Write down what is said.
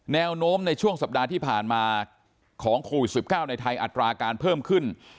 แนวโน้มในช่วงสัปดาห์ที่ผ่านมาของโควิด๑๙ในไทยอัตราการเพิ่มขึ้น